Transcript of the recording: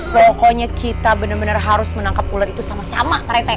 pokoknya kita bener bener harus menangkep ular itu sama sama pak rete